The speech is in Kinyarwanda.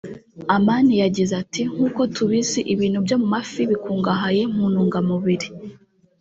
Amani yagize ati “ Nkuko tubizi ibintu byo mu mafi bikungahaye mu ntungamubiri